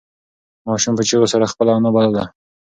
ماشوم په چیغو سره خپله انا بلله.